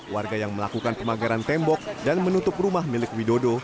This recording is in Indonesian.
warga yang melakukan pemagaran tembok dan menutup rumah milik widodo